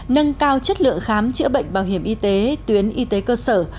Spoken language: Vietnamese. nâng cao chất lượng khám chữa bệnh bảo hiểm y tế tuyến y tế cơ sở